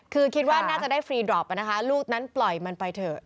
คือคิดว่าน่าจะได้ฟรีดรอปนะคะลูกนั้นปล่อยมันไปเถอะ